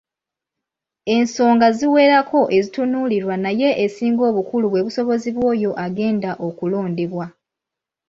Ensonga ziwerako ezitunuulirwa naye esinga obukulu bwe busobozi bw'oyo agenda okulondebwa.